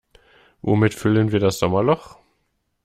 Womit füllen wir das Sommerloch?